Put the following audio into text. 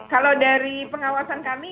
kalau dari pengawasan kami